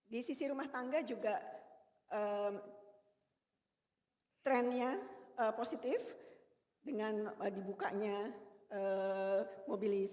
di sisi rumah tangga juga trennya positif dengan dibukanya mobilisasi